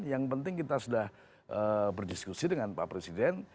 yang penting kita sudah berdiskusi dengan pak presiden